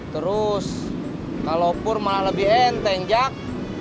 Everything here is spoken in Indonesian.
terus kalau pur malah lebih enteng jak